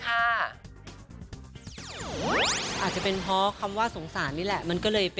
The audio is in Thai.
อาจจะเป็นเพราะคำว่าสงสารนี่แหละ